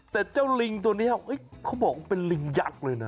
แต่เจ้าลิงตัวนี้เขาบอกว่าเป็นลิงยักษ์เลยนะ